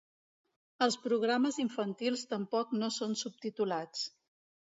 Els programes infantils tampoc no són subtitulats.